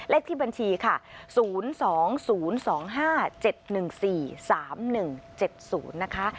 เลขที่บัญชีค่ะ๐๒๐๒๕๗๑๔๓๑๗๐นะคะ